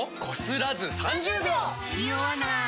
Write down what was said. ニオわない！